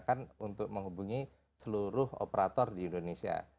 kita bisa menghubungi seluruh operator di indonesia